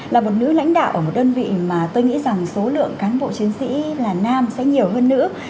là một nữ lãnh đạo ở một đơn vị mà tôi nghĩ rằng số lượng cán bộ chiến sĩ là nam sẽ nhiều hơn nữa